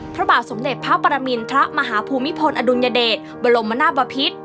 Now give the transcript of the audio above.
พระบาทสมเด็จพระปรมินทรมาฮภูมิพลอดุลยเดชบรมนาศบพิษ